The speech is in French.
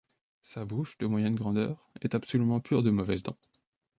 Sa bouche, de moyenne grandeur, est absolument pure de mauvaises dents.